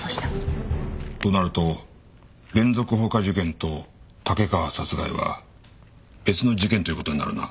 となると連続放火事件と竹川殺害は別の事件という事になるな。